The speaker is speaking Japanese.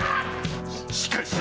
しっかりしろ！